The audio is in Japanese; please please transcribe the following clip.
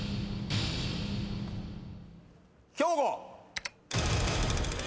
兵庫！